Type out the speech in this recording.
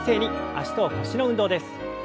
脚と腰の運動です。